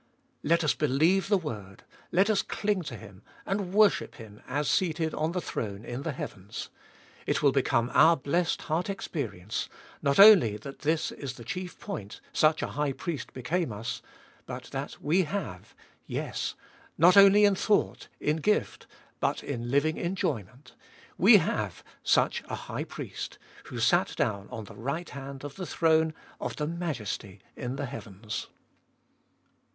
Let us believe the Word, let us cling to Him and worship Him as seated on the throne in the heavens ; it will become our blessed heart experience, not only that this is the chief point, Such a High Priest became us, but that we have, — yes, not only in thought, in gift, but in living enjoyment, — we have such a High Priest, who sat down on the right hand of the throne of the Majesty in the heavens.